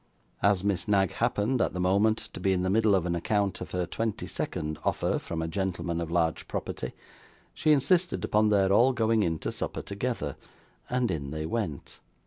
As Miss Knag happened, at the moment, to be in the middle of an account of her twenty second offer from a gentleman of large property, she insisted upon their all going in to supper together; and in they went.